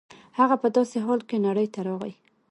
هغه په داسې حال کې نړۍ ته راغی.